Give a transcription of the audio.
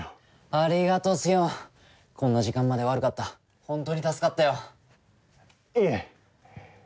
ありがとうスヒョンこんな時間まで悪かったホントに助かったよいえ